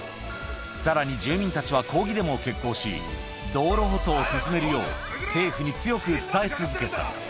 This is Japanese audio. さらに住民たちは抗議デモを決行し、道路舗装を進めるよう、政府に強く訴え続けた。